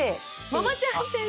「ママちゃん先生」？